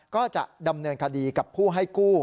ก็จะดำเนินคดีกับผู้ให้กู้